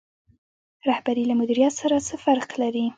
رهبري له مدیریت سره څه فرق لري؟